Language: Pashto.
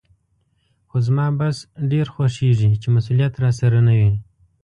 خو زما بس ډېر خوښېږي چې مسولیت راسره نه وي.